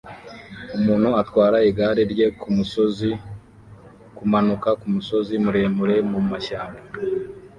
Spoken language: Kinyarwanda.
Umuntu atwara igare rye kumusozi kumanuka kumusozi muremure mumashyamba